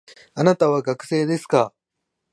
あなたは学生ですか